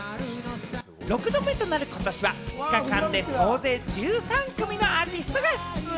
６度目となることしは２日間で総勢１３組のアーティストが出演。